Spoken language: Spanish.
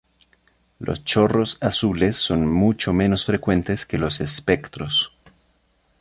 Los chorros azules son mucho menos frecuentes que los espectros.